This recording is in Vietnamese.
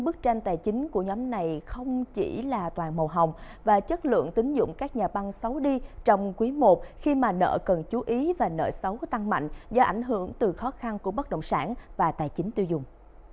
bức tranh tài chính của nhóm này không chỉ là toàn màu hồng và chất lượng tính dụng các nhà băng xấu đi trong quý i khi mà nợ cần chú ý và nợ xấu tăng mạnh do ảnh hưởng từ khó khăn của bất động sản và tài chính tiêu dùng